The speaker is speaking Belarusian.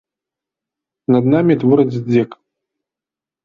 Над намі твораць здзек.